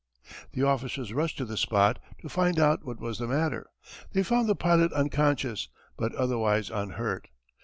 The officers rushed to the spot to find out what was the matter. They found the pilot unconscious, but otherwise unhurt.